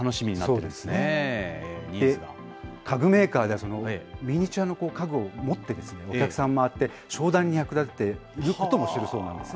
そうですね、で、家具メーカーでは、ミニチュアの家具を持ってお客さんを回って、商談に役立てていることもあるんですね。